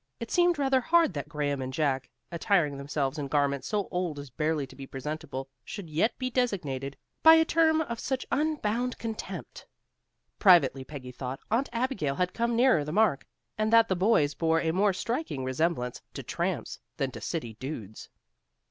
It seemed rather hard that Graham and Jack, attiring themselves in garments so old as barely to be presentable should yet be designated by a term of such unbounded contempt. Privately, Peggy thought Aunt Abigail had come nearer the mark, and that the boys bore a more striking resemblance to tramps than to city dudes.